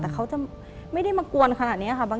แต่เขาจะไม่ได้มากวนขนาดนี้ค่ะ